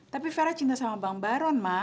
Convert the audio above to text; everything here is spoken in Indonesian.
tapi vera cinta sama bang baron ma